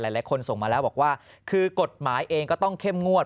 หลายคนส่งมาแล้วบอกว่าคือกฎหมายเองก็ต้องเข้มงวด